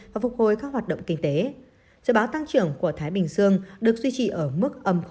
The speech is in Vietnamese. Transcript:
và phục hồi các hoạt động kinh tế dự báo tăng trưởng của thái bình dương được duy trì ở mức âm